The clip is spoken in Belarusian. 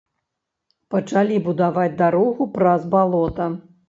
Пачалі будаваць дарогу праз балота.